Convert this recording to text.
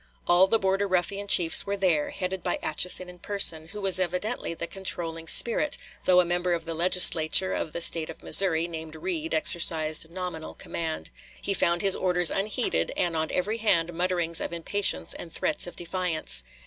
All the Border Ruffian chiefs were there, headed by Atchison in person, who was evidently the controlling spirit, though a member of the Legislature of the State of Missouri, named Reid, exercised nominal command. He found his orders unheeded and on every hand mutterings of impatience and threats of defiance.